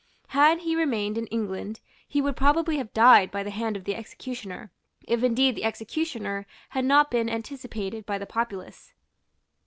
Had he remained in England, he would probably have died by the hand of the executioner, if indeed the executioner had not been anticipated by the populace.